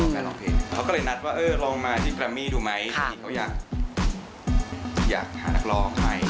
เขาก็เลยนัดว่าเออลองมาที่แรมมี่ดูไหมเขาอยากหานักร่องใหม่